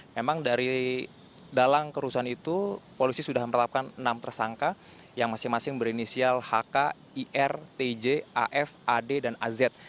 memang dari dalam kerusuhan itu polisi sudah menetapkan enam tersangka yang masing masing berinisial hk ir tj af ad dan az